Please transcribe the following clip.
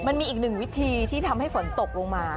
มันมีอีกหนึ่งวิธีที่ทำให้ฝนตกลงมา